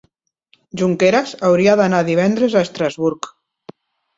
Junqueras hauria d'anar divendres a Estrasburg